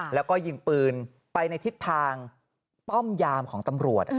แล้วก็ยิงปืนไปในทิศทางป้อมยามของตำรวจ